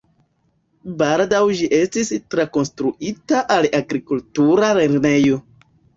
Baldaŭ ĝi estis trakonstruita al agrikultura lernejo.